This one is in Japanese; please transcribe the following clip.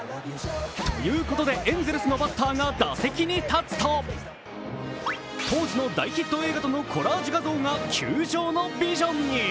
ということでエンゼルスのバッターが打席に立つと、当時の大ヒット映画とのコラージュ画像が球場のビジョンに。